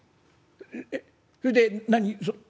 えっそれで何？